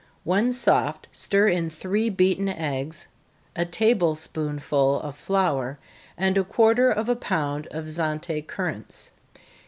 When soft, stir in three beaten eggs, a table spoonful of flour, and a quarter of a pound of Zante currants.